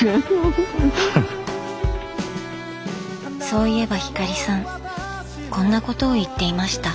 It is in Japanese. そういえば光さんこんなことを言っていました。